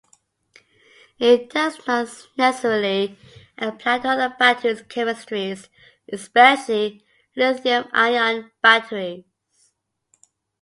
It does not necessarily apply to other battery chemistries, especially Lithium-Ion batteries.